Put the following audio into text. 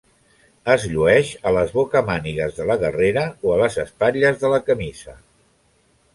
Es llueix a les bocamànigues de la guerrera o a les espatlles de la camisa.